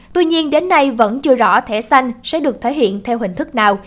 tuy nhiên đến nay vẫn chưa rõ thẻ xanh sẽ được thể hiện theo hình thức nào